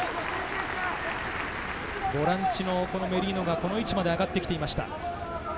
ボランチのメリノがこの位置まで上がってきていました。